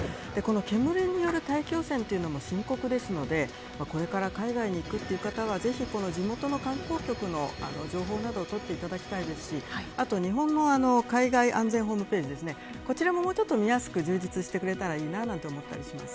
煙による大気汚染というのも深刻ですのでこれから海外に行く方は地元の観光局の情報などを取っていただきたいですし日本の海外安全ホームページも見やすく充実してくれたらいいなと思ったりします。